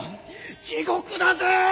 地獄だぜ！